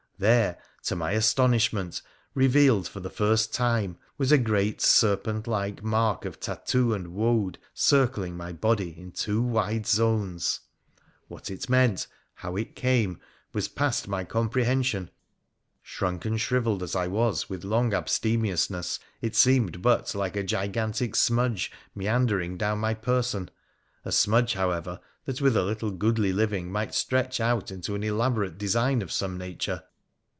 There, to my astonishment, revealed for the first time, was a great serpent like mark of tattoo and wode circling my body in two wide zones ! "What it meant, how it came, was past my comprehension. Shrunk and shrivelled as I was with long abstemiousness, it seemed but like a gigantic smudge meandering down my person — a smudge, however, that with a little goodly living might stretch out into an elaborate design of some nature.